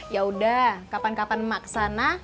yaudah kapan kapan mak kesana